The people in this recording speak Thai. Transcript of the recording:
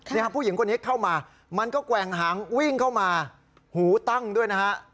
ผู้หญิงคนนี้เข้ามามันก็แกว่งหางวิ่งเข้ามาหูตั้งด้วยนะฮะ